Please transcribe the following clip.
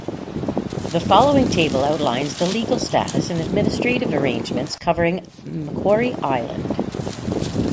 The following table outlines the legal status and administrative arrangements covering Macquarie Island.